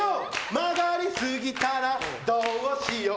曲がりすぎたら、どうしよう。